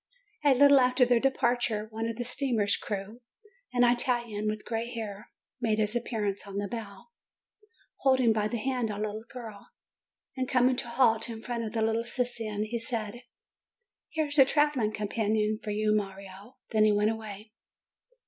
A little after their departure, one of the steamer's 332 JUNE crew, an Italian with gray hair, made his appearance on the bow, holding by the hand a little girl ; and com ing to a halt in front of the little Sicilian, he said : "Here's a travelling companion for you, Mario." Then he went away.